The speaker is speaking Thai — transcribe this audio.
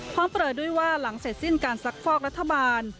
เปิดด้วยว่าหลังเสร็จสิ้นการซักฟอกรัฐบาล